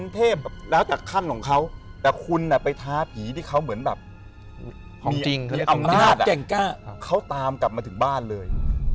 แต่คุณไปท้าผีที่เขาเหมือนมีอำนาจเขาตามกลับมาถึงบ้านเลย